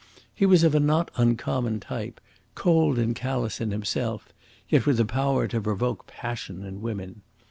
He was of a not uncommon type, cold and callous in himself, yet with the power to provoke passion in women.